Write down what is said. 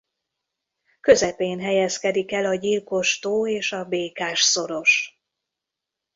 Közepén helyezkedik el a Gyilkos-tó és a Békás-szoros.